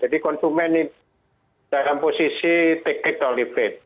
jadi konsumen ini dalam posisi ticket to leave it